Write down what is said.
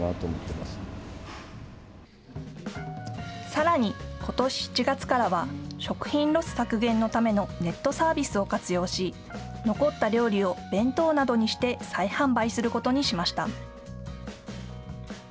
さらに、ことし７月からは食品ロス削減のためのネットサービスを活用し、残った料理を弁当などにして再販売することにしました。